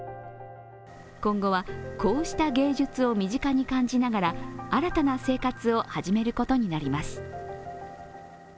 今後は、こうした芸術を身近に感じながら、新たな生活を始めることになります。